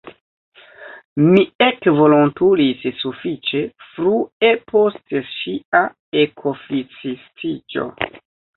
Mi ekvolontulis sufiĉe frue post ŝia ekoficistiĝo.